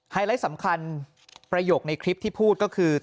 ไลท์สำคัญประโยคในคลิปที่พูดก็คือ